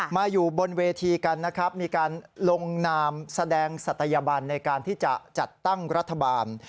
มาอยู่บนเวทีกันนะครับมีการลงนามแสดงศัตยบันในการที่จะจัดตั้งรัฐบาล